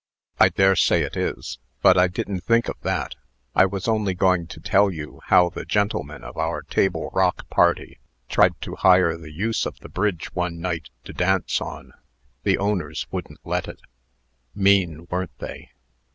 "I dare say it is. But I didn't think of that. I was only going to tell you how the gentlemen of our Table Rock party tried to hire the use of the bridge one night to dance on. The owners wouldn't let it. Mean, weren't they?"